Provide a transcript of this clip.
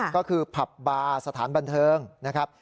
ก็คือผับบาร์สถานบันเทิงนะครับ